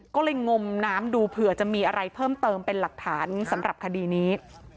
ก็เลยงมน้ำดูเผื่อจะมีอะไรเพิ่มเติมเป็นหลักฐานสำหรับคดีนี้